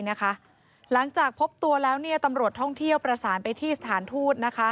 หลังจากพบตัวแล้วตำรวจท่องเที่ยวประสานไปที่สถานทูต